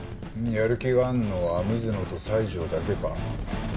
やる気があるのは水野と西条だけか。